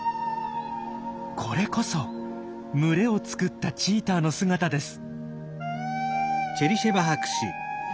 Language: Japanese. これこそ群れを作ったチーターの姿です。